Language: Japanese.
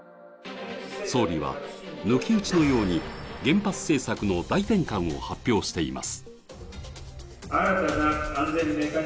総理は抜き打ちのように原発政策の大転換を発表しています。